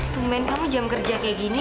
tungguin kamu jam kerja kayak gini